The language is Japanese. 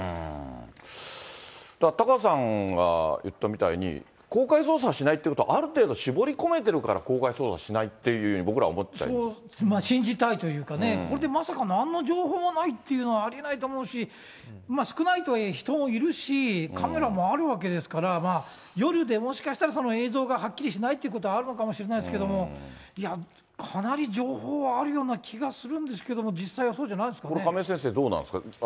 タカさんが言ったみたいに、公開捜査しないっていうことは、ある程度、絞り込めてるから公開捜査しないっていうふうに僕ら思っちゃいまそう信じたいっていうかね、ここでまさかなんの情報もないというのはありえないと思うし、少ないとはいえ、人はいるし、カメラもあるわけですから、夜で、もしかしたら映像がはっきりしないっていうことはあるのかもしれないですけれども、いや、かなり情報はあるような気がするんですけども、実際はそうじゃなこれ、亀井先生、どうなんですか。